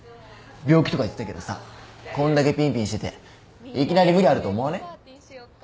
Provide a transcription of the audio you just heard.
病気とか言ってたけどさこんだけぴんぴんしてていきなり無理あると思わね？